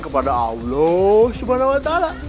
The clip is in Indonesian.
kepada allah subhanahu wa ta'ala